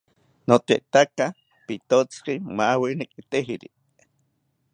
Notetaka pitotzi maaweni kitejiri